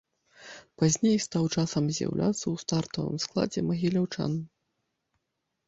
Пазней стаў часам з'яўляцца ў стартавым складзе магіляўчан.